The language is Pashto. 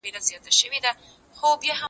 دې چي ول بالا به چای تور وي باره شین و